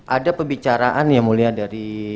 ada pebicaraan yang mulia dari